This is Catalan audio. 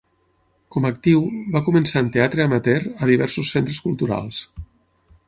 Com actiu, va començar en teatre amateur a diversos centres culturals.